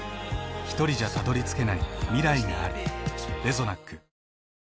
ひとりじゃたどりつけない未来がある。